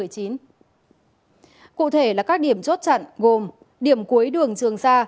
cụ thể là các điểm chốt chặn gồm điểm cuối đường trường sa